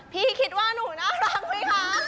พี่คิดว่าหนูน่ารักไหมคะ